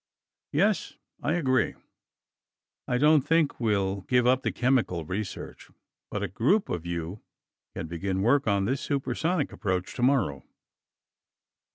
"Yes, I agree. I don't think we'll give up the chemical research, but a group of you can begin work on this supersonic approach tomorrow."